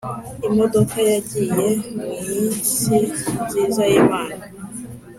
imodoka yagiye, - mwisi nziza yimana